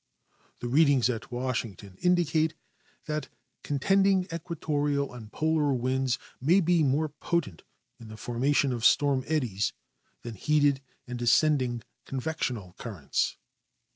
The readings at Washington indicate that contend ing equatorial and polar winds may be more {)otent in the forma tion of storm eddies than heated and ascending convectional currents.